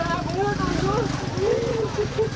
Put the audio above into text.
ตัวมันอยู่ในนู้น